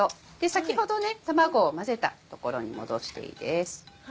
先ほど卵を混ぜた所に戻していいです。